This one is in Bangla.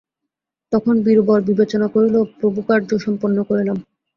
তখন বীরবর বিবেচনা করিল প্রভুকার্য সম্পন্ন করিলাম।